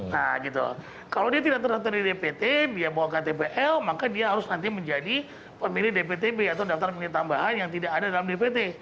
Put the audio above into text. nah gitu kalau dia tidak terdaftar di dpt dia bawa ktbl maka dia harus nanti menjadi pemilih dptb atau daftar pemilih tambahan yang tidak ada dalam dpt